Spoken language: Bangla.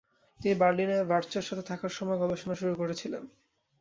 তিনি বার্লিনে ভার্চোর সাথে থাকার সময় গবেষণা শুরু করেছিলেন।